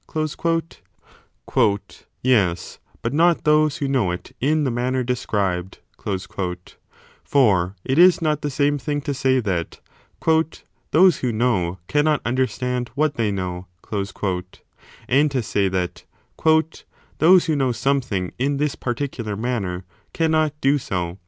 l Yes, but not those who know it in the manner described : for it is not the same thing to say that those who know cannot understand what they know , and to say that those who know something in this particu 3 lar manner cannot do so